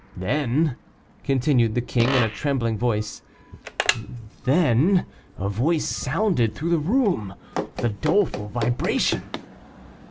"Then," continued the king, in a trembling voice, "then a voice sounded through the room, with a doleful vibration."